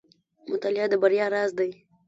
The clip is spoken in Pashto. • مطالعه د بریا راز دی.